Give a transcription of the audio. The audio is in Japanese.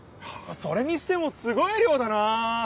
それにしてもすごい量だな！